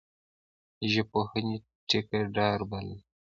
ژبپوهني ټیکه دار بللی.